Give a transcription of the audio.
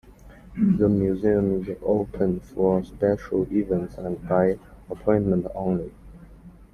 The museum is open for special events and by appointment only.